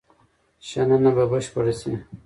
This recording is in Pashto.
شننه به بشپړه شي.